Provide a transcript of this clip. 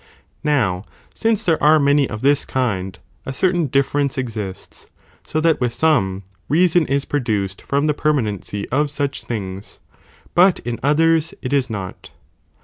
j: Now since there are many of this kind, a certain differ ence exists, so that with some, reason is produced from the permanency § of such things, || but in others it is not.